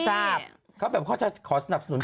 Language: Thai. เขาแบบเขาจะขอสนับสนุนโทร